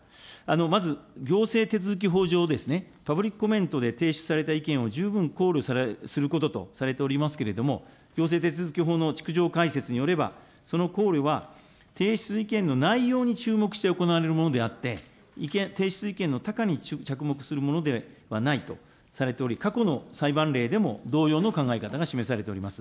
まず、行政手続き法上、パブリックコメントで提示された意見を十分考慮することとされておりますけれども、行政手続法の逐条解説によれば、その考慮は提出意見の内容に注目して行われるものであって、提出意見の多寡に着目するものではないとされており、過去の裁判例でも同様の考え方が示されております。